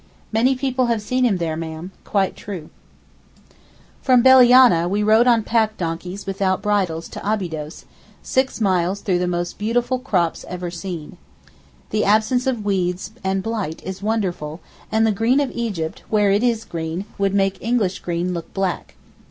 'Many people have seen him there, ma'am, quite true.' From Bellianeh we rode on pack donkeys without bridles to Abydos, six miles through the most beautiful crops ever seen. The absence of weeds and blight is wonderful, and the green of Egypt, where it is green, would make English green look black.